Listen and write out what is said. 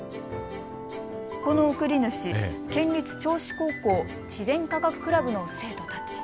この送り主、県立銚子高校自然科学クラブの生徒たち。